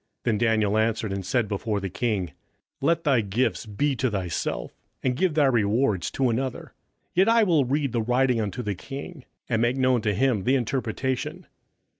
27:005:017 Then Daniel answered and said before the king, Let thy gifts be to thyself, and give thy rewards to another; yet I will read the writing unto the king, and make known to him the interpretation.